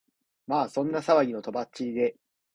まあそんな騒ぎの飛ばっちりで、